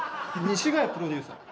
西ヶ谷プロデューサー！